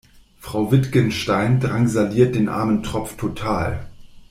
Frau Wittgenstein drangsaliert den armen Tropf total.